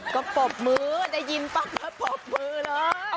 ก็ปลบมือได้ยินป่ะปลบมือเลย